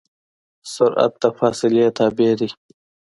سرعت د فاصلې تابع دی.